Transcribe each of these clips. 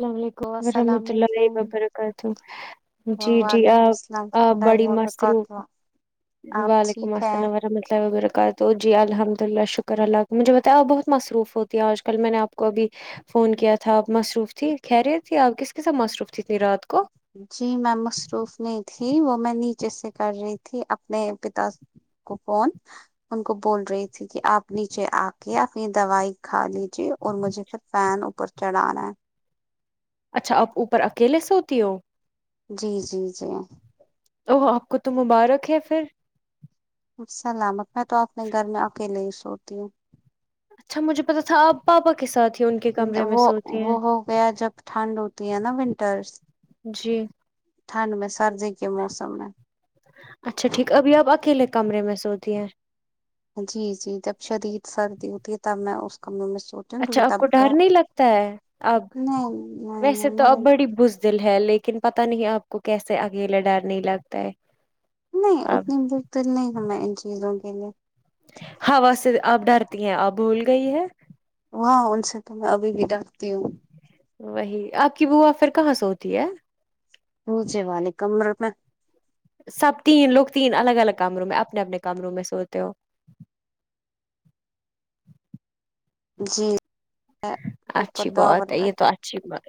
السلام علیکم السلام ورحمۃ اللہ علیکم وبرکاتہ جی جی وعلیکم السلام آپ آ ورحمۃ اللہ بڑی مست روح وبرکاتہ آپ وعلیکم ٹھیک ہے السلام ورحمۃ اللہ وبرکاتہ تو جی الحمد للہ شکر اللہ کا مجھے بتایا بہت مصروف ہوتی ہے آج کل میں نے آپ کو ابھی فون کیا تھا آپ مصروف تھی کہہ رہے تھے آپ کس کے ساتھ مصروف تھی تنی رات کو جی میں مصروف نہیں تھی وہ میں نیچے سے کر رہی تھی اپنے پتا کوپون ان کو بول رہی تھی کہ آپ نیچے آ کے اپنی دوائی کھا لیجے اور مجھے پھر فین اوپر چڑھانا ہے اچھا آپ اوپر اکیلے سے ہوتی ہو جی جی جی آپ کو تو مبارک ہے پھر سلامت میں تو اپنے گھر میں اکیلے ہی سوتی ہوں اچھا مجھے پتتا تھا آپ پاپا کے ساتھ ہی ان کے کمرے میں وہ سوتے وہ ہیں ہو جب ٹھنڈ ہوتی ہے نا ونٹرس جی ٹنڈ میں سردی کے موسم میں اچھا ٹھیک ابھی آپ اکیلے کمرے میں سوتی ہیں جی جی جب شدید سردی ہوتی ہے تب میں اس کمرے میں سو اچھا آپ کو ڈر نہیں لگتا ہے اب نہیں نہیں ویسے نہیں تو اپ مگر بڑی بز ہے لیکن پت نہیں آپ کو کیسے اکیلا ڈرنے لگتا ہے نہیں آپ اتنی بکت نہیں کرنا ان چیزوں کے لیے ہا سے آپ ڈرتی ہیں آپ بھول گئی ہے وہاں ان سے تو میں ابھی بھی ڈانٹتی ہوں وہی آپ کی با پھر کہاں سے ہوتی ہے پھے والے کمر میں سب تین لوگ تین الگ الگ کمروں میں اپنے اپنے کمروں میں سوتے ہو جی اوپر اچھی ٹاور بات ہے پہ یہ تو اچھی بات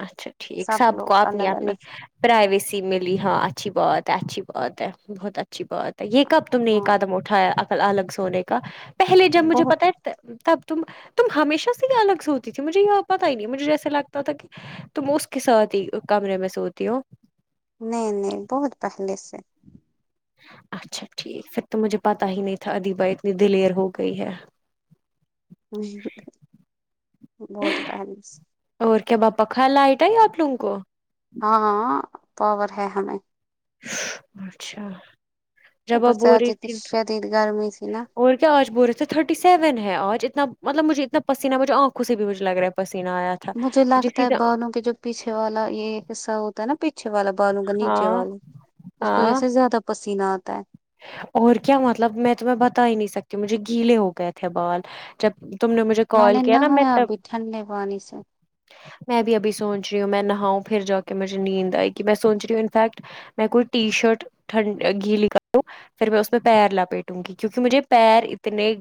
اچھا ٹھیک سب کو لوگ اپنی الگ اپنی الگ پرائیویسی ملی ہاں اچھی بات ہے اچھی بات ہے بہت اچھی بات یہ کب تم نے یہ ہاں قدم اٹھایا عقل الگ سونے کا پہلے جب مجھے بہت پتا ہے تب تم تم ہمیشہ سے الگ سے ہوتی تھی مجھے یہ پتا ہی نہیں مجھے جیسے لگتا تھا کہ تم اس کے ساتھ ہی کمرے میں سوتی ہو نہیں نہیں بہت پہلے سے اچھا ٹھیک پھر تو مجھے پتا ہی نہیں تھا ادی بھائی اتنی دلیر ہو گئی ہے ہ [inaudible] بہت پہنس اور کیا باپا ک لائٹ ہے آپ لوگ کو [unintelligible] ہاں ہاں پاور ہے ہمیں اچھا [unintelligible] جب اوپر آپ سے بو آج رہی اتنی تھی شدید گرمی تھی نا اور کیا آج بول رہے تھے تھرٹی سیون ہے آج اتنا مطلب مجھے اتنا پسین مجھے آنکھوں سے بھی مجھ لگا پسہ آیا [unintelligible] مجھے لگتا ہے بہنوں کے جو [unintelligible] پیچھے والا یہ حصہ ہوتا ہے نا پیچھے والا بالوں کا نیچے ہاں والا اس کو ہاں جیسے زیادہ پسیینات ہے [unintelligible] اور کیا مطلب میں تمہیں بتا ہی نہیں سکتی مجھے گیلے ہو گئے تھے بال جب تم نے مجھے مان کال نے کیا نا نہا میں آ تب بیٹھانی لب آنیس میں بھی ابھی سوچ رہی ہوں میں نہاؤں پھر جا کے مجھے نیند آئے گی میں سوچ رہی ہوں انفیکٹ میں کوئی ٹی شرٹ ٹھنڈ گھی ل کا تو پھر میں اس میں پیر لاپیٹوں گی کیوںکہ مجھے پیر اتنے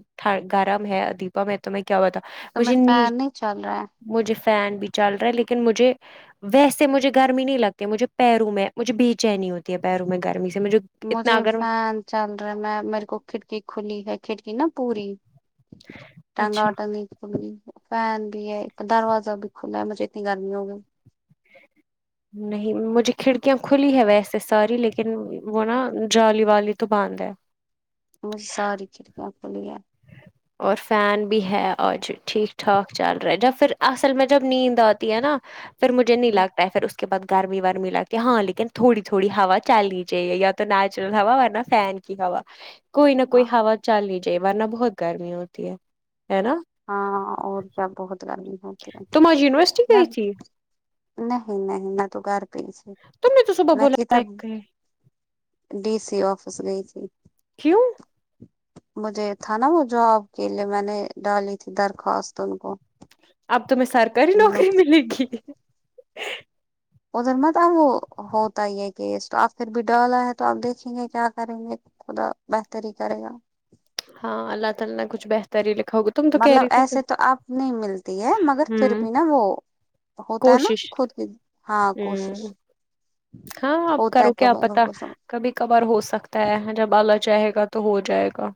گرم ہے ادی میں تو میں کیا ہوتا تو میں مجھے ن فین نہیں چل رہا ہے مجھے فین بھی چل رہا ہے لیکن مجھے ویسے مجھے گرمی نہیں لگتی مجھے پیروں میں مجھے بے چینی ہوتی ہے پیروں میں گرمی سے مجھے اتنا مجھے اگر فین چل رہا میں میرے کو کھڑکی کھلی ہے کھڑکی نا پوری ٹانگا اچھا وٹا نہیں فین بھی ہے دروازہ بھی کھلاا ہے مجھے اتنی گرمی ہوگی [inaudible] نہیں مجھے کھڑکیاں کھلی ہے ویسے ساری لیکن وہ نا جالی والی تو باند ہے مجھے ساری کھڑکیاں پلییا اور فین بھی ہے آج ٹھیک ٹھاک چل رہا جب پھر اصل میں جب نیند آتی ہے نا پھر مجھے نہیں لگتا ہے پھر اس کے بعد گرمی ورمی لگتی ہے ہاں لیکن تھوڑی تھوڑی ہوا چلنی چاہیے یا تو نیچرل ہوا ورنہ فین کی ہوا [inaudible] کوئی نہ کوئی ہا چل نہیں جائے ورنہ بہت گرمی ہوتی ہے ہے نا ہاں اور کیا بہت گرمی ہے تم آج ونیورسٹی میں گت ہی نہیں نہیں نہ تو گار پی تم نے تو صبح میں بولا چتا گئے، ڈی سی آفس گئی ت کیوں مجھے تھا نا وہ جواب کے لیے میں نے ڈالی تھی درخواست ان کو اب تمہیں سرکاری نوکری ملے گی ادھر متب وہ ہوتا ہی ہے کیس تو آپ پھر بھی ڈالا ہے تو آپ دیکھیں گے کیا کریں گے خدا بہتر ہی کرے گا ہان اللہ تعالی کچھ بہتر ہی لکھا ہوگا تم تو کہہ مطلب رہی تھی ایسے تو اب نہیں ملتی ہے مگر پھر ہوں بھی نا وہ ہوتا ہے نا کوشش خود کی ہاں کوشش ہوں ہاں آپ ہوتا ہے کرو کیا کب اگر پتا کچھ کبھی کبار ہو سکتا ہے جب آلہ چاہے گا تو ہو جائے گا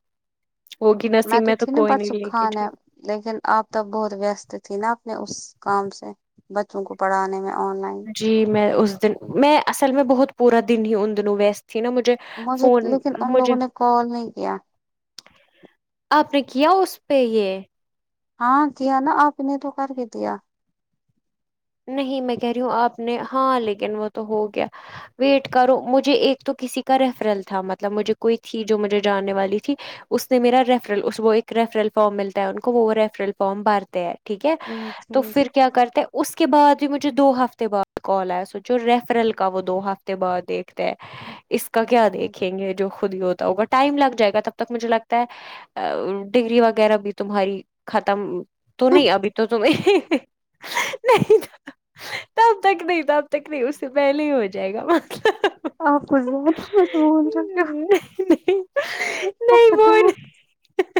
وہگی نسییب میں تو تھی نا کوئی نہیں پرسو لے گی خان ہے لیکن آپ تب بہت ویست تھی نا اپنے اس کام سے بچوں کو پڑھانے میں آن لائن جی میں اس دن میں اصل میں بہت پورا دن ہی ان دنوں ویست تھی نا مجھے مجھے فون لیکن ان مجھے لوگوں نے کال نہیں کیا آپ نے کیا اس پہ یہ ہاں کیا نا آپ نے تو کر کی دیا نہیں میں کہہ رہی ہوں آپ نے ہاں لیکن وہ تو ہو گیا ویٹ کرو مجھے ایک تو کسی کا ریفرل تھا مطلب مجھے کوئی تھی جو مجھے جاننے والی تھی اس نے میرا ریفرل ایک ریفرل فارم ملتا ہے ان کو وہ ریفرل فارم بارتے ہے ٹھیک ہے تو پھر کیا کرتے اس کے بعد بھی مجھے دو ہفتے بعد کال آیا سوچو ریفرل کا وہ دو ہفتے بعد دیکھتے ہ [inaudible] اس کا کیا دیکھیں گے جو خود ہی ہوتا ہوگا ٹائم لگ جائے گا تب تک مجھے لگتا ہے ڈگری وغیرہ بھی تمہاری ختم تو نہیں ابھی تو تمیں نہیں تب تک نہیں تب تک نہیں اس سے پہلے ہی ہو جائے گا مطلب آپ کچ زیاد بول رہ کیا نہیں نہیں وہ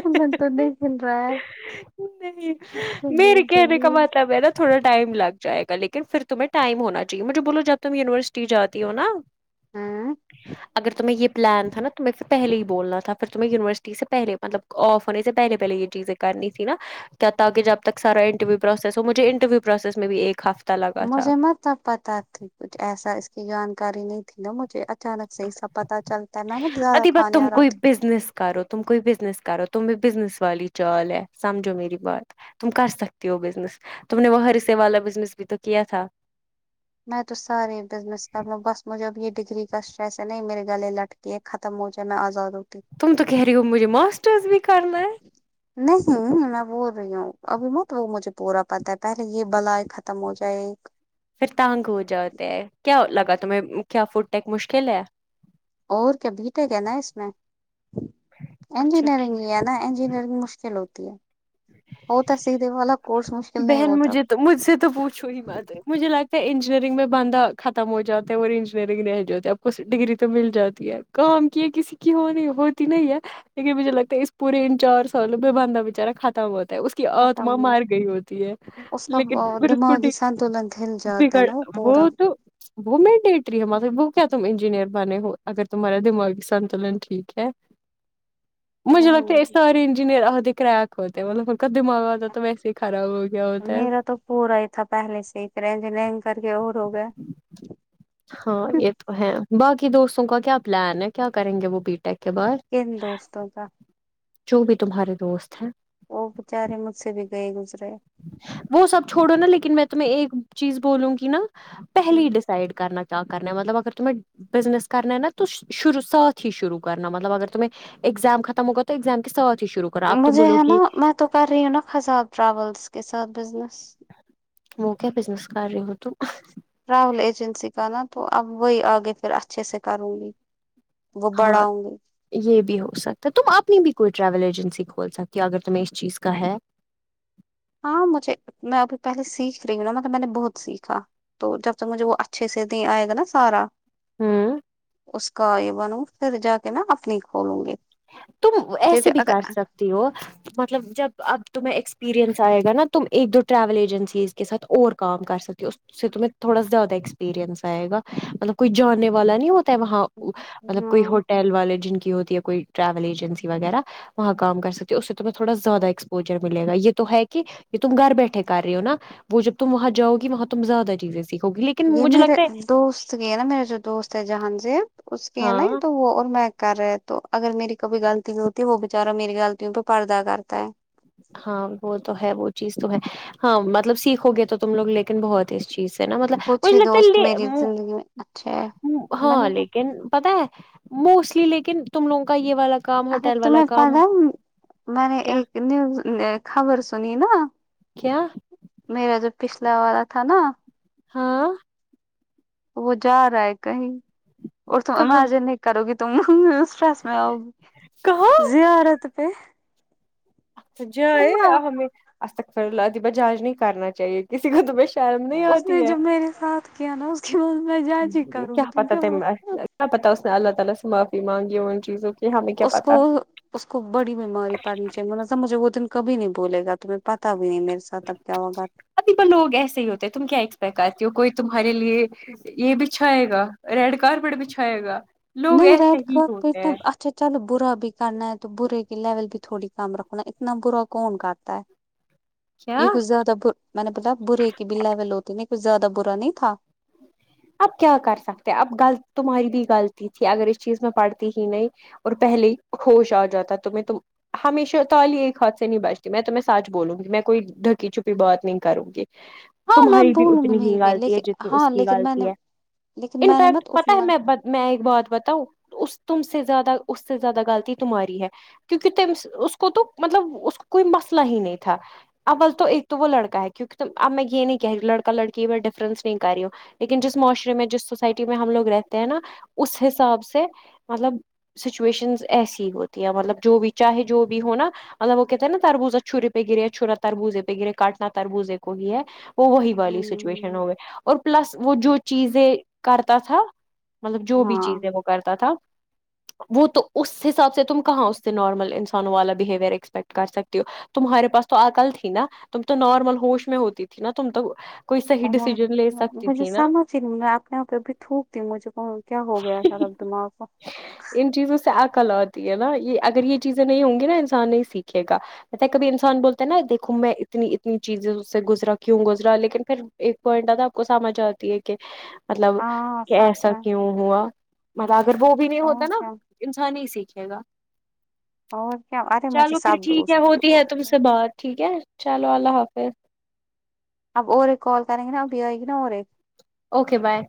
ان توندےسلرا نہیں مری کہنے رہی ہے کامات تھوڑا ٹائم لگ جائے گا لیکن پھر تمہیں ٹائم ہونا چاہیے مجھے بولو جب تم یونیورسٹی جاتی ہو نا ہاں اگر تمہیں یہ پلان تھا نا تم پھر پہلے ہی بولنا تھا پھر تمہیں یونیورسٹی سے پہلے مطلب آف ہونے سے پلے پہلے یہ چیزیں کرنی تھی نا تاکہ جب تک سارا انٹرویو پروسیس ہو مجھے انٹرویو پروسیس میں بھی ایک ہفتےہ مجھے متب پتا تھی کچھ ایسا اس کی جانکاری نہیں تھی نا مجھے اچانک سے ایسب پتتا چلتا ہے نا مت زیادہ ادھی بت کھانے تم اور کوئی بزنس کرو تم کوئی بزنس کرو تم بھی بزنس والی چال ہے سمجھو میری بات تم کر سکتی ہو بزنس تم نے وہرسے والا بزنس بھی تو کیا تھا میں تو سارے بزنس کر لوں بس مجھے اب یہ ڈگری کاٹ ایسے نہیں میرے گلے لٹک یہ ختم ہو جائے میں آزاد ہوتی تم تو کہہ رہی ہو مجھے ماسٹرس بھی کرنا ہے نہیں میں بول رہی ہوں ابھی ن تو وہ مجھے پورا پتا ہے پہلے یہ بلائی ختم ہو جائے پھر تانگ ہو جاتے ہیں کیا لگا تمہیں کیا فوڈ ٹیک مشکل ہے اور کیا بیٹ ہے کیا نا اس میں اچھا ٹھیک انجینئرنگ ہی ہے نا انجینئرنگ مشکل ہوتی ہے ہوتا سیدھے والا کورس مشکل نہیں بہن ہوتا مجھے تو مجھ سے تو پوچھو ہی مت مجھے لگتا ہے انجینئرنگ میں بندھہ ختم ہو جا اور انجینئرنگ نہیں جے آپ کو ڈگری تو مل جاتی ہے کام کی ہے کسی کی ہونی ہوتی نہیں ہے لیکن مجھے لگتا ہے اس پورے ان چار سالو پہ بندھا بچارا ختم ہوتا ہے اس کی ختم آتما مار گئی ہوتی ہے اس کا لیکن پھر اس کو دماغی سنتولن ہل جاتا ہے بگڑ نا وہ پورا تو وہ میں ڈٹ رہی ہار وہ کیا تم انجینئر بنے ہو اگر تمہارا دمای سنتلن ٹھیک ہے مجھے لگتے وہی سارے انجینئر آتے کریک ہوتے ہیں مطلب کا دماغ آتا تو ویسے خراب ہو گیا ہوتا ہے میرا تو پورا ہی تھا پہلے سے ہیج لینگ کر کے اور ہو گیا ہاں یہ تو ہے باقی دوستوں کا کیا پلان ہے کیا کریں گے وہ بی ٹیک کے بعد کین دوستوں کا جو بھی تمہارے دوست ہیں وہ بچارے مجھ سے بھی گئے گزرے وہ سب چھوڑو نا لیکن میں تمہیں ایک چیز بولوں گی نا پہلی ڈس سائڈ کرنا کیااہ کرنا مطلب اگر تیں بزنس کرنا نا تو شروع ساتھ ہی شرو کرنا مطب اگر ت میںیں ایگزام ختم ہوا توگز کے سات ہی شروع کرا آپ تم مجھے بولو ہے نا گی میں تو کر رہی ہوں نا خزاب ٹراولس کے ساتھ بزنس م کیا بزنس کر رہی ت ٹریاول ایجنسی کا نا تو اب وہی آگے پھر اچھے سے کروں گی وہ بڑا ہاں ہوں گے یہ بھی ہو سکتا ہے تم اپنی بھی کوئی ٹریول ایجنسی کھول سکتی ہو اگر تمہیں اس چیز کا ہے ہاں مجھے میں ابھی پہلے سیکھ رہی ہوں نا مطلب میں نے بہت سیکھا تو جب تک مجھے وہ اچھے سے د آئے گا نا سارا ہوں اس کا یہ بنوں پھر جا کے نا اپنی کھولوں گی تم ایسے کیونکہ بھی کر اگر سکتی ہو مطلب جب اب تمہیں ایکسپییرئنس آئے گا نا تم ایک دو ٹریول ایجنسیز کے ساتھ اور کام کر سکتے ہو اس سے تو میں تھوڑا زیادہ ایکسپیریئنس آئے گا مطلب کوئی جانے والا نہیں ہوتا وہاں مطلب کوئی ہاں ہوٹل والے جن کی ہوتی ہے کوئی ٹریول ایجنسی وغیرہ وہاں کام کر سکتی اس سے تومہیں تھوڑا زیادہ ایکسپوجر ملے گا یہ تو ہے کہ کہ تم گھر بیٹھے کر رہے ہو نا وہ جب تم وہاں جاؤ گی وہاں تم زیادہ چیزیں سیکھو گی لیکن یہی مجھے میرے لگتا ہے دوست گ نا میرا جو دوست ہے جہان سے اس کی ہے نا ہاں تو وہ اور میں کر رہے تو اگر میری کبھی غلطی ہوتی ہے وہ بےچارہ میری غلطیوں پہ پردہ کرتا ہے ہاں وہ تو ہے وہ چیز تم ہاں مطلب سیکھو گے تو تم لوگ لیکن بہت ہے اس چیز سے نا مطلب کچھ بوچھ ہی دوست لیتے میری زندگی میں اچھے ہے میں نے ہاں وہ لیکن پتا ہے موسٹلی لیکن تم لوگوں کا یہ والا کام ارے ہوٹل والا تمہیں پ کام میں نے کیا ایک نیوز خبر سنی نا [inaudible] میرا جو پچھلا والا تھا نا ہاں وہ جا رہا ہے کہیں اور تم کہاں امیجن نہیں کرو گی تم اسٹریس میں آؤ کہاں گی زیا آ رہت پہ سجا ہے عمرہ ہمیں اج تک فرلہد بجاج نہیں کرنا چاہیے کسی کو تو شرم نہیں اس نے آتی ہے جب میرے ساتھ کیا نا اس کے بعد میں جج ہی کروں کیا گی تم پت نہ پت اس نے اللہ تعی سے معافی مانگی ہے ان چیزوں کی ہمیں کیا اس کو پتا اس کو بڑی بیماری پڑنی چاہی م سب مجھے وہ دن کبھی نہیں بھول گا تومیں پتا بھی نہیں میرے سے تک کیا ہوگا ابھی ب لوگ ایسے ہی ہوتے ہیں تم کیا ایکسپیکٹ کرتی ہو کوئی تمہارے لیے یہ بچھائے گا ریڈ کارپیٹ بچ چھائے گا لوگ نئی ایسے رینت ہی ہوتے ہیں پچھ چلو برا بھی کرنا ہے تو برے کی لیول بھی تھوڑی کم رکھونا اتنا برا کون کرتا ہے کیا یہ کچھ زیادہ ب میں نے بولا برے کی بھی لیول ہوتی نہیں کچھ زیادہ برا نہیں تھا اب کیا کر سکتے اب غلط تمہاری بھی غلطی تھی اگر اس چیز میں پڑھتی ہی نہیں اور پہلے ہی ہوش آ جاتا تو میں تو ہمیشہ تالی ایک ہاتھ سے نہیں بچتی میں تو میں سچ بولوں گی میں کوئی ڈھکی چھپی بات نہیں کروں گی [inaudible] تمہاری بھی بولوں گی اتنی میری ہی بھی غالطی ہے لیکن جتنی اس ہاں کی لیکن میں نے غالطی ہے لیکن میں نے انفیکٹ مت پتا ہے اتنا میںحبت میں ایک بات بتاؤں اس تم سے زیادہ اس سے زیادہ غلطی تمہاری ہے کیونکہ اس کو تو مطلب اس کو کوئی مسئلہ ہی نہیں تھا ابول تو ایک تو وہ لڑک ہے کیک تو اب میں یہ نہیں کہہ رہی لڑا لڑکی میں ڈفرنس نہیں کر رہی ہوں لیکن جس معاشرے میں جس سوسائٹی میں ہم لوگ رہتے ہیں نا اس حساب سے مطلب سچویشنز ایسی ہوتی ہے مطلب جو بھی چاہے جو بھی ہوناا مطلب وہ کہتے نا تربوزا چھورے پہ گرے ہے چھورا تربوزے پہ گرے کاٹنا تربوزے کو ہی ہے وہ وہی والی سچویشن ہو ہ گئے اور پلس وہ جو چیزیں کرتا تھا مطلب جو بھی چیز ہے وہ کرتا تھا وہ تو اس حساب سے تم کہاں اس سے نارمل انسانوں والا بہیوئر ایکسپیکٹ کر سکتی ہو تمہارے پاس تو اکل تھی نا تم تو نارمل ہوش میں ہوتی تھی نا تم تو کوئی صی ہاں ڈسیزن لے سکتا مجھے سمجھ ہی نہیں میں اپنے یہاں پہ بھی تھوک ت مجھے کو کیا ہو گیا تھا اب دماغ کو ان چیزوں سے عقل آتی ہے نا یہ اگر یہ چیزیں نہیں ہوں گی نا انسان نہیں سیکھے گا بھ کبھی انسان بولتے نا دیکھو میں اتنی اتنی چیزیں سے گزرا کیوں گزرا لیکن پھر ایک پوائنٹ آتا کو سمجھ آتی ہے کہ مطلب ہاں سچ ایسا میں کیوں ہوا مطلب اگر وہ بھی نہیں ہوتا اور نا کیا انسان ہی سیکھے گا اور کیا ارے مجھے چلو پھر سب ٹھیک ہے دوست بھی ہوتی ہے تم بولتے ہیں سے بات ٹھیک ہے چلو اللہ حافظ اب اورے کال کریں گے بھی آئے گ نا اورے اوکے بائے